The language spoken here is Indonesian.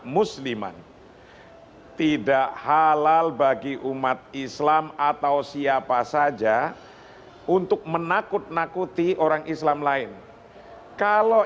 musliman tidak halal bagi umat islam atau siapa saja untuk menakut nakuti orang islam lain kalau